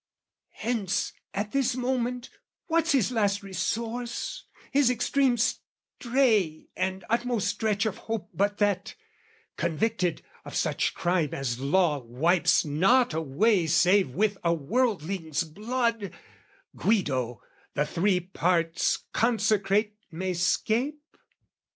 Hence, at this moment, what's his last resource, His extreme stray and utmost stretch of hope But that, convicted of such crime as law Wipes not away save with a worldling's blood, Guido, the three parts consecrate, may 'scape?